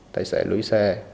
tài xế lúi xe